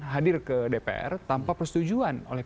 hadir ke dpr tanpa persetujuan oleh